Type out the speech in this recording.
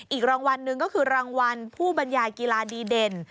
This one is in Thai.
อีกรางวัลหนึ่งก็คือรางวัลผู้บรรยายกีฬาดีเด่น